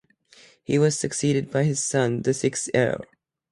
He was succeeded by his son, the sixth Earl.